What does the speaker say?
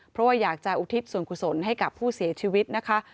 เพราะว่าอยากจะอุทิศส่วนกุศลให้กับผู้เสียชีวิตนะคะ